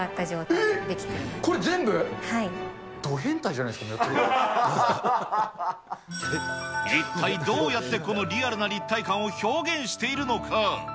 一体どうやって、このリアルな立体感を表現しているのか。